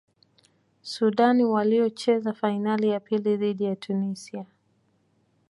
sudan waliocheza fainali ya pili dhidi ya tunisia